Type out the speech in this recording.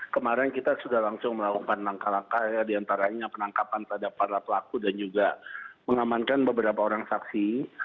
kemarin kita sudah langsung melakukan langkah langkah diantaranya penangkapan terhadap para pelaku dan juga mengamankan beberapa orang saksi